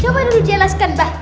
coba dulu jelaskan mbah